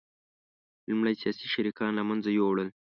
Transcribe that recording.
لومړی سیاسي شریکان له منځه یوړل